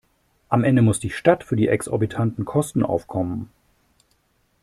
Am Ende muss die Stadt für die exorbitanten Kosten aufkommen.